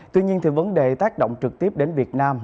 tuy nhiên vấn đề tác động trực tiếp đến việt nam